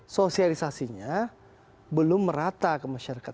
sosialisasinya belum merata ke masyarakat